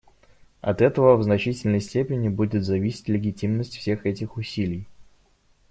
От этого в значительной степени будет зависеть легитимность всех этих усилий.